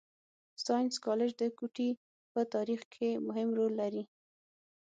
ساینس کالج د کوټي په تارېخ کښي مهم رول لري.